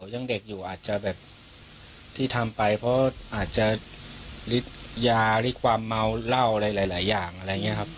ยังเด็กอยู่อาจจะแบบที่ทำไปเพราะอาจจะฤทธิ์ยาฤทธิความเมาเหล้าอะไรหลายอย่างอะไรอย่างนี้ครับ